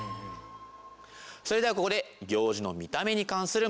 それではここで行司の見た目に関する問題です。